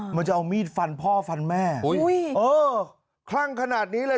มันจะเอามีดฟันพ่อฟันแม่อุ้ยเออคลั่งขนาดนี้เลย